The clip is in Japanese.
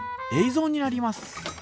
ぞうになります。